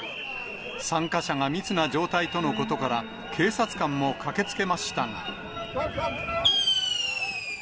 参加者が密な状態とのことから、警察官も駆けつけましたが。